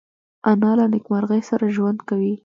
انا له نیکمرغۍ سره ژوند کوي